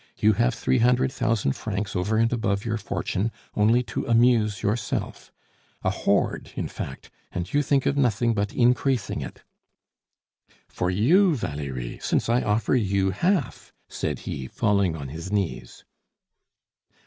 You have three hundred thousand francs over and above your fortune, only to amuse yourself, a hoard, in fact, and you think of nothing but increasing it " "For you, Valerie, since I offer you half," said he, falling on his knees.